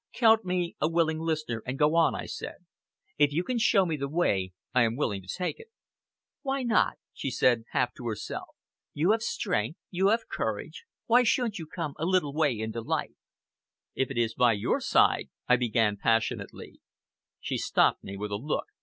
"Count me a willing listener and go on," I said. "If you can show me the way, I am willing to take it." "Why not?" she said, half to herself. "You have strength, you have courage! Why shouldn't you come a little way into life?" "If it is by your side," I began passionately. She stopped me with a look.